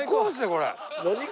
これ。